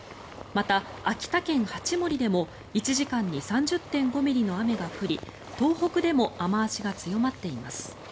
また秋田県八森でも１時間に３０．５ミリの雨が降り東北でも雨脚が強まっています。